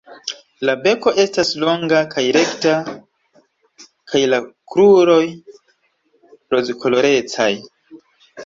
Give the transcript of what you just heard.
La beko estas longa kaj rekta kaj la kruroj rozkolorecaj.